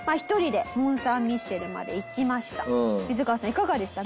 いかがでした？